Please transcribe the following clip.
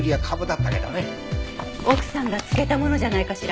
奥さんが漬けたものじゃないかしら？